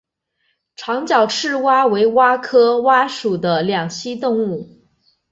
长脚赤蛙为蛙科蛙属的两栖动物。